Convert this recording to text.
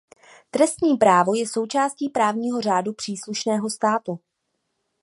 Trestní právo je součástí právního řádu příslušného státu.